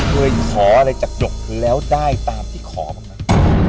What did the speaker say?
โดยขออะไรจากดกแล้วได้ตามที่ขอกัน